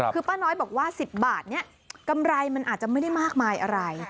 คือป้าน้อยบอกว่า๑๐บาทนี้กำไรมันอาจจะไม่ได้มากมายอะไร